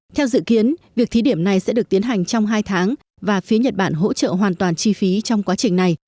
theo dự kiến việc thí điểm này sẽ được tiến hành trong hai tháng và phía nhật bản hỗ trợ hoàn toàn chi phí trong quá trình này